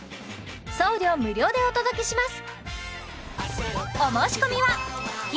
送料無料でお届けします